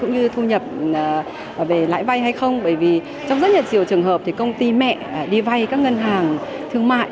cũng như thu nhập về lãi vay hay không bởi vì trong rất nhiều trường hợp thì công ty mẹ đi vay các ngân hàng thương mại